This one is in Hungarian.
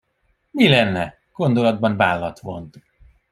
Mi lenne? Gondolatban vállat vont.